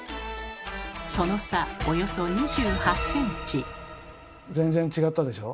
その差およそ２８ｃｍ。